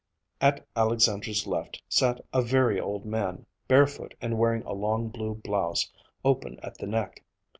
At Alexandra's left sat a very old man, barefoot and wearing a long blue blouse, open at the neck.